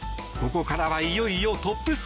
ここからはいよいよトップ３。